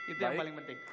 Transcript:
itu yang paling penting